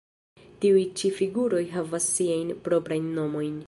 Tiuj ĉi figuroj havas siajn proprajn nomojn.